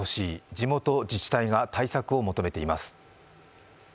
地元自治体が対策を求めています。